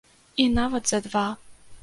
І нават за два.